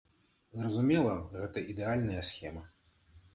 Зразумела, гэта ідэальная схема.